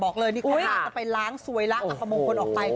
บอกเลยนี่ค่ะอุ้ยไปล้างสวยล้างอัปมงคลออกไป